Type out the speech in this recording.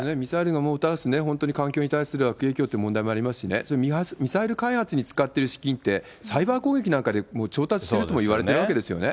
そうですね、環境に対する悪影響という問題もありますし、ミサイル開発に使ってる資金ってサイバー攻撃なんかで調達してるともいわれてるわけですよね。